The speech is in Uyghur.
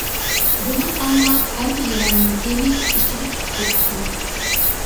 بۇنى ئاڭلاپ ھەممەيلەننىڭ دىمى ئىچىگە چۈشۈپ كېتىپتۇ.